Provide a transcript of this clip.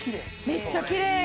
めっちゃきれい。